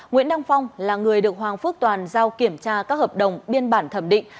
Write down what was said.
nguyễn đăng phong là người được hoàng phước toàn giao kiểm tra các hợp đồng biên bản thẩm định